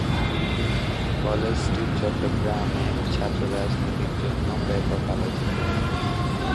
কলেজটি চট্টগ্রামের ছাত্র রাজনীতির জন্যেও ব্যাপক আলোচিত।